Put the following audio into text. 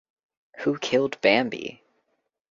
Who killed Bambi?